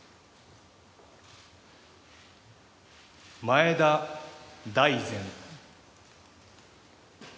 前田大然。